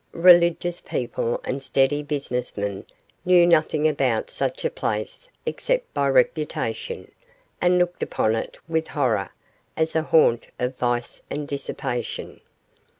Religious people and steady businessmen knew nothing about such a place except by reputation, and looked upon it, with horror, as a haunt of vice and dissipation.